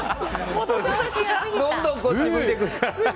どんどんこっち向いてた。